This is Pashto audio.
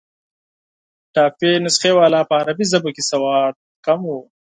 ټایپي نسخې والا په عربي ژبه کې سواد کم وو.